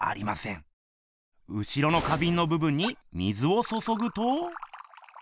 後ろの花びんのぶぶんに水をそそぐと。